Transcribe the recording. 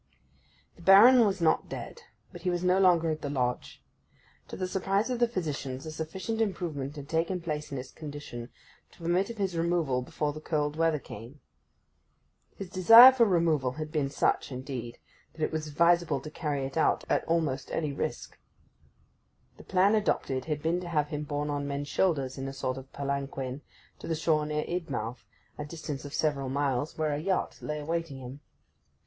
The Baron was not dead, but he was no longer at the Lodge. To the surprise of the physicians, a sufficient improvement had taken place in his condition to permit of his removal before the cold weather came. His desire for removal had been such, indeed, that it was advisable to carry it out at almost any risk. The plan adopted had been to have him borne on men's shoulders in a sort of palanquin to the shore near Idmouth, a distance of several miles, where a yacht lay awaiting him.